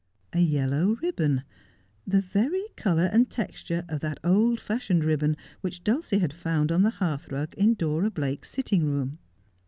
A yellow ribbon, the very colour and texture of that old fashioned ribbon which Dulcie had found on the hearth rug in Dora Blake's sitting room.